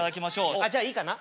あっじゃあいいかな？